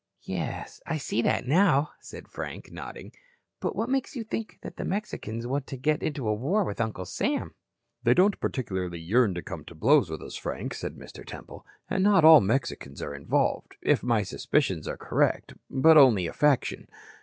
"Yes, I see that now," said Frank, nodding. "But what makes you think the Mexicans want to get into a war with Uncle Sam?" "They don't particularly yearn to come to blows with us, Frank," said Mr. Temple. "And not all Mexicans are involved, if my suspicions are correct, but only a faction.